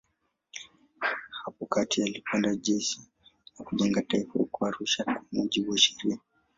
Hapo kati alikwenda Jeshi la Kujenga Taifa huko Arusha kwa mujibu wa sheria.